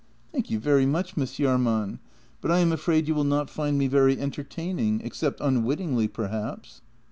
" Thank you very much, Miss Jahrman, but I am afraid you will not find me very entertaining — except unwittingly per haps."